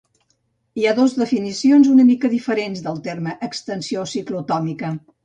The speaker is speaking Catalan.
Hi ha dos definicions una mica diferents del terme extensió ciclotòmica.